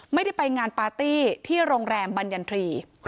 ไม่ได้ไปงานปาร์ตี้ที่โรงแรมบรรยันทรี